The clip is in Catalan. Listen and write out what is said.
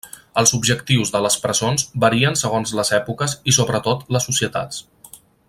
Els objectius de les presons varien segons les èpoques i sobretot les societats.